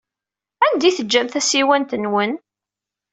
Anda ay teǧǧam tasiwant-nwen?